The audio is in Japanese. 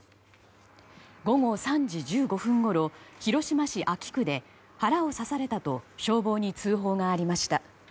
午後３時１５分ごろ広島市安芸区で腹を刺されたと消防に通報がありました。